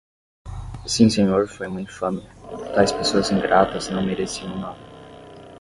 Sim senhor, foi uma infâmia; Tais pessoas ingratas não mereciam nada.